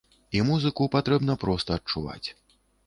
І музыку патрэбна проста адчуваць.